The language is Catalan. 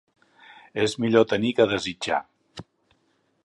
És millor tenir que desitjar.